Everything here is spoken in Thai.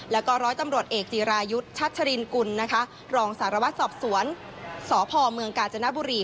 แล้วก็ร้อยตำรวจเอกจีรายุทธ์ชัชรินกุลนะคะรองสารวัตรสอบสวนสพเมืองกาญจนบุรี